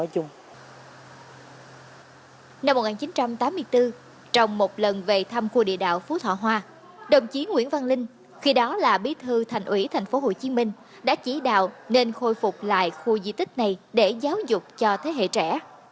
đồng chí nguyễn văn linh khi đó là bí thư thành ủy thành phố hồ chí minh đã chỉ đạo nên khôi phục lại khu di tích này để giáo dục cho thế hệ trẻ